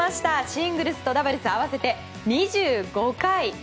シングルスとダブルス合わせて２５回。